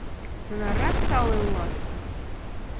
Тынарак тале улат?